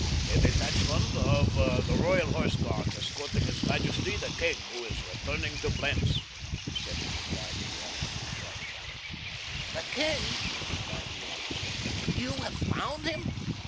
"A detachment of the Royal Horse Guards escorting His Majesty the King, who is returning to Blentz," he said in reply to the officer's sharp challenge. "The king!" exclaimed the officer. "You have found him?"